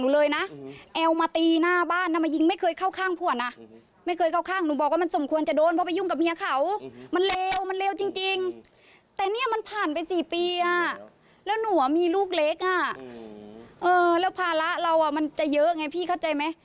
แล้วภาระเรามันจะเยอะไงพี่เข้าใจไหม